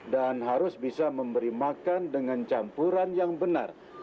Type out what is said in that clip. dan harus bisa memberi makan dengan campuran yang benar